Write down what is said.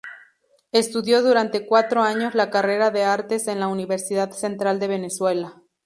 Estudió durante cuatro años la carrera de Artes en la Universidad Central de Venezuela.